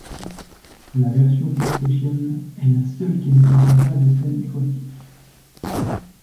La version PlayStation est la seule qui ne contient pas de scènes érotiques.